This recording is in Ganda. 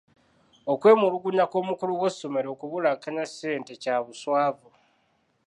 Okwemulugunya kw'omukulu w'essomero okubulankanya ssente kya buswavu.